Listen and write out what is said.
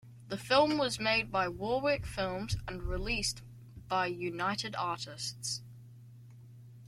The film was made by Warwick Films and released by United Artists.